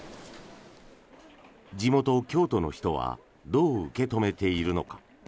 地元・京都の人はどう受け止めているのか。